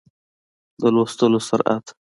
د لوستلو سرعت